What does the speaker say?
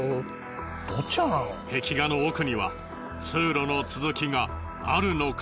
壁画の奥には通路の続きがあるのか？